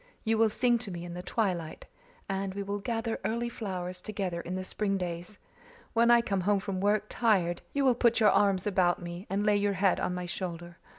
You will sing to me in the twilight, and we will gather early flowers together in the spring days. When I come home from work, tired, you will put your arms about me and lay your head on my shoulder.